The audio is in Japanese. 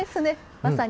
まさに。